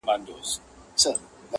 o تاريخ بيا بيا هماغه وايي تل,